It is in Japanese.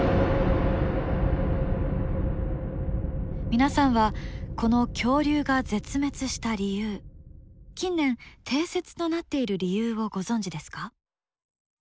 皆さんはこの恐竜が絶滅した理由近年定説となっている理由をご存じですか？